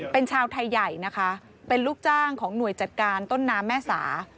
เป็นชาวไทยใหญ่นะคะเป็นลูกจ้างของหน่วยจัดการต้นน้ำแม่สา